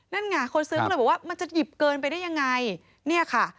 นั่นไงคนซื้อเลยบอกว่ามันจะหยิบเกินไปได้อย่างไร